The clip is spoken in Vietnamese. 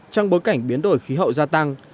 trong bối cảnh biến đổi khí hậu gia tăng